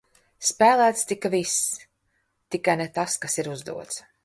Spēlēts tika viss, tikai ne tas, kas ir uzdots.